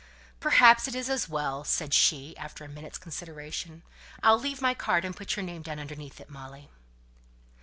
"Perhaps, it's as well," said she, after a minute's consideration. "I'll leave my card, and put your name down underneath it, Molly."